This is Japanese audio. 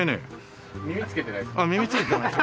耳つけてないです。